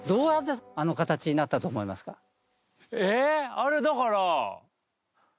あれだから。